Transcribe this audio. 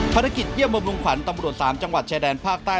เยี่ยมบำรุงขวัญตำรวจ๓จังหวัดชายแดนภาคใต้